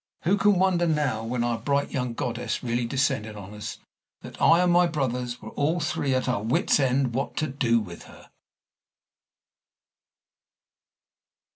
Who can wonder now, when our bright young goddess really descended on us, that I and my brothers were all three at our wits' end what to do with her!